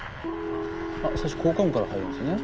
最初効果音から入るんですね。